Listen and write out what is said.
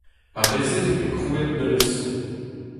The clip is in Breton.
Ar re-se zo bet krouet nevez zo.